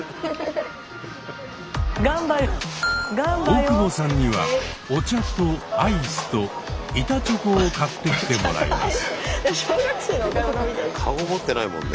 大久保さんにはお茶とアイスと板チョコを買ってきてもらいます。